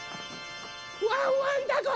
ワンワンだこ！